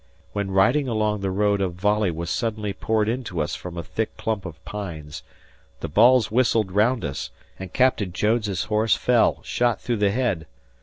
When riding along the road a volley was suddenly poured into us from a thick clump of pines. The balls whistled around us and Captain Jones' horse fell, shot through the head.